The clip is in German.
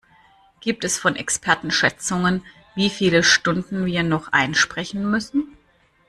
Gibt es von Experten Schätzungen, wie viele Stunden wir noch einsprechen müssen?